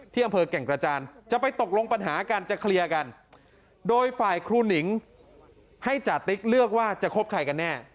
อำเภอแก่งกระจานจะไปตกลงปัญหากันจะเคลียร์กันโดยฝ่ายครูหนิงให้จติ๊กเลือกว่าจะคบใครกันแน่